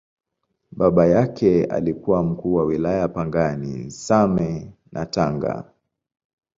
Baba yake alikuwa Mkuu wa Wilaya Pangani, Same na Tanga.